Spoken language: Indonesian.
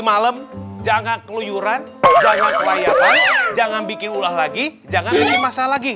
malam jangan keluyuran jangan kelayakan jangan bikin ulah lagi jangan bikin masalah lagi